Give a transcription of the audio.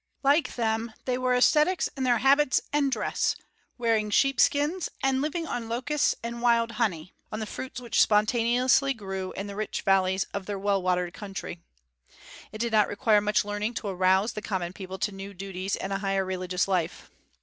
Like them they were ascetics in their habits and dress, wearing sheepskins, and living on locusts and wild honey, on the fruits which grew spontaneously in the rich valleys of their well watered country. It did not require much learning to arouse the common people to new duties and a higher religious life.